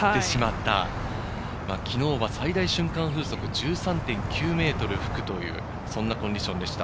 昨日は最大瞬間風速１３．９メートルが吹くというそんなコンディションでした。